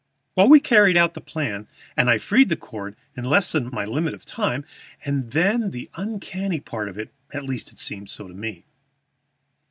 "Well, we carried out the plan, and I freed the cords in less than my limit of time; then came the uncanny part of it at least, it seemed so to me.